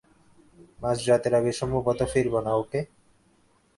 মাঝরাতের আগে সম্ভবত ফিরবো না, ওকে?